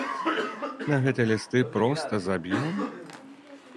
На гэты лісты проста заб'ём?